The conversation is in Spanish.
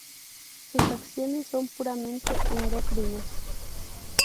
Sus acciones son puramente endocrinas.